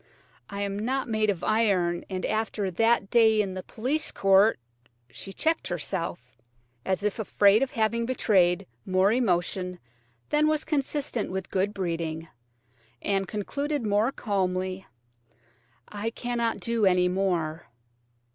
I am not made of iron, and after that day in the police court–" She checked herself, as if afraid of having betrayed more emotion than was consistent with good breeding, and concluded more calmly: "I cannot do any more."